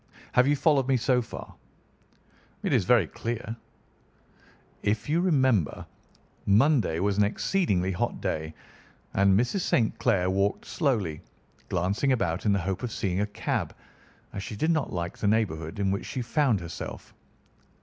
Have you followed me so far?" "It is very clear." "If you remember, Monday was an exceedingly hot day, and Mrs. St. Clair walked slowly, glancing about in the hope of seeing a cab, as she did not like the neighbourhood in which she found herself.